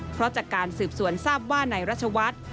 เพราะจากการสืบสวนทราบว่านายรัชวัฒน์